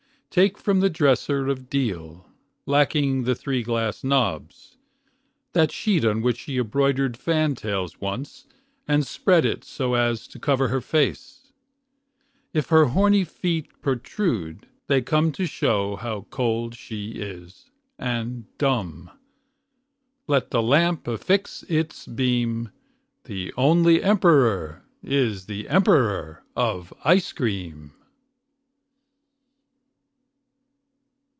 Take from the dresser of deal, Lacking the three glass knobs, that sheet On which she embroidered fantails once And spread it so as to cover her face. If her horny feet protrude, they come To show how cold she is, and dumb. Let the lamp affix its beam. The only emperor is the emperor of ice cream.